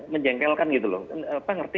menjengkelkan gitu loh apa ngerti